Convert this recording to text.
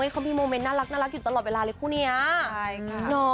เขามีโมเมนต์น่ารักอยู่ตลอดเวลาเลยคู่เนี่ยเนาะใช่ค่ะ